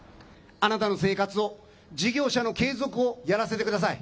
あなたの生活を、事業者の継続をやらせてください。